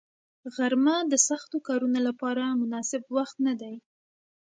غرمه د سختو کارونو لپاره مناسب وخت نه دی